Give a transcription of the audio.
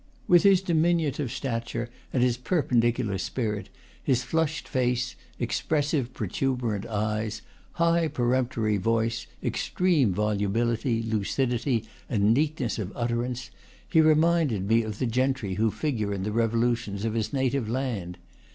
With his diminutive stature and his per pendicular spirit, his flushed face, expressive protuber ant eyes, high peremptory voice, extreme volubility, lucidity, and neatness of utterance, he reminded me of the gentry who figure in the revolutions of his native land.